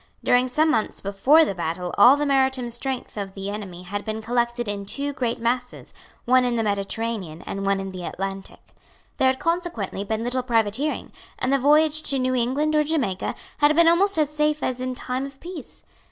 During some months before the battle all the maritime strength of the enemy had been collected in two great masses, one in the Mediterranean and one in the Atlantic. There had consequently been little privateering; and the voyage to New England or Jamaica had been almost as safe as in time of peace.